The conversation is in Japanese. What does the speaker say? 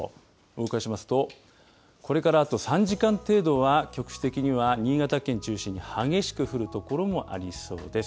動かしますと、これからあと３時間程度は、局地的には新潟県中心に激しく降る所もありそうです。